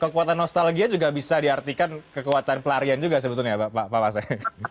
kekuatan nostalgia juga bisa diartikan kekuatan pelarian juga sebetulnya pak pasek